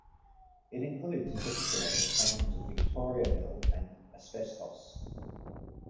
It includes in particular the towns of Victoriaville and Asbestos.